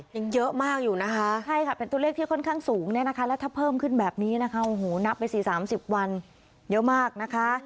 ยังเยอะมากอยู่นะคะใช่ค่ะเป็นตัวเลขที่ค่อนข้างสูงเนี่ยนะคะแล้วถ้าเพิ่มขึ้นแบบนี้นะคะโอ้โหนับไป๔๓๐วันเยอะมากนะคะ